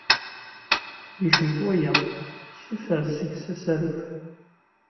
Yecmet waya. Ssuter seg-s asaruf.